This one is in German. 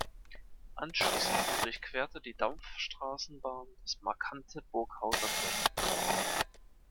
Anschließend durchquerte die Dampfstraßenbahn das markante "Burghauser Tor".